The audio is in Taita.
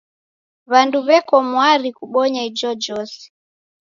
W'andu w'eko mwari kubonya ijojose.